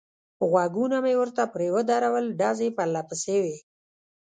غوږونه مې ورته پرې ودرول، ډزې پرله پسې وې.